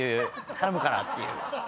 頼むからっていう。